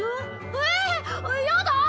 ええっ⁉やだ！